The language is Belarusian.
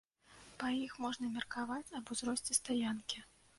Па іх можна меркаваць аб узросце стаянкі.